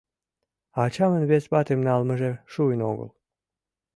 Ачамын вес ватым налмыже шуын огыл.